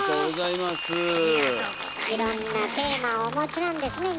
いろんなテーマをお持ちなんですね